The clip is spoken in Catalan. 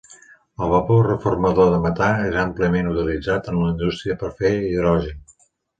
El vapor reformador de metà és àmpliament utilitzat en la indústria per a fer hidrogen.